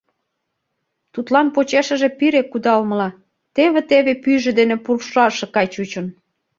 Тудлан почешыже пире кудалмыла, теве-теве пӱйжӧ дене пурлшаш гай чучын.